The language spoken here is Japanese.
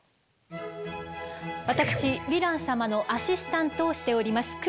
私ヴィラン様のアシスタントをしております